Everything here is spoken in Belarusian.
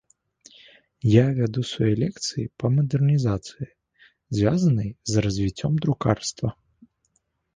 Я вяду свае лекцыі па мадэрнізацыі, звязанай з развіццём друкарства.